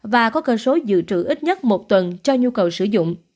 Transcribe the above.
và có cơ số dự trữ ít nhất một tuần cho nhu cầu sử dụng